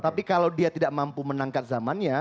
tapi kalau dia tidak mampu menangkap zamannya